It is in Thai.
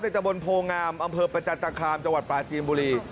ตกกว่าในต่อบนโพงามอำเภอประจาศตรรย์คลามปลาจีนบุรี